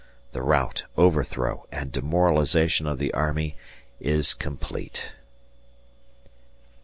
The rout, overthrow, and demoralization of the army is complete.